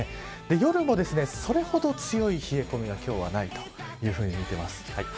夜もそれほど強い冷え込みは今日はないと見ています。